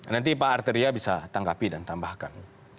nanti pak arteria bisa tanggapi dan tambahkan